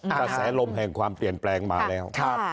กระแสลมแห่งความเปลี่ยนแปลงมาแล้ว